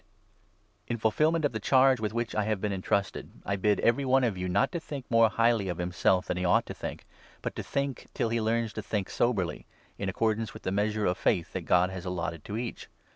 on Christian In fulfilment of the charge with which I have 3 Membership, been entrusted, I bid every one of you not to think more highly of himself than he ought to think, but to think till he learns to think soberly — in accordance with the measure of faith that God has allotted to each.